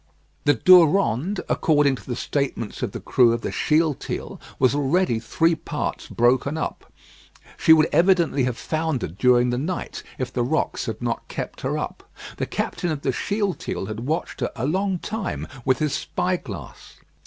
The Durande, according to the statements of the crew of the Shealtiel, was already three parts broken up. She would evidently have foundered during the night, if the rocks had not kept her up. The captain of the Shealtiel had watched her a long time with his spyglass.